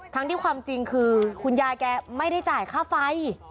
ทั้งที่ความจริงคือคุณยายแกไม่ได้จ่ายค่าไฟ